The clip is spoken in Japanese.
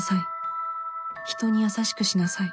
人に優しくしなさい